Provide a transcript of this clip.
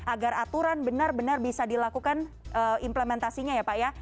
agar aturan benar benar bisa dilakukan implementasinya ya pak ya